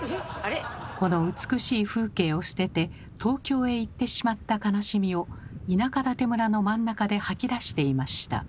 この美しい風景を捨てて東京へ行ってしまった悲しみを田舎館村の真ん中で吐き出していました。